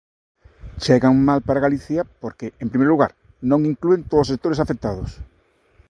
Chegan mal para Galicia porque, en primeiro lugar, non inclúen todos os sectores afectados.